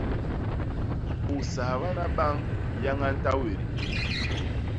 U sahbana bañ yañañ tawédé!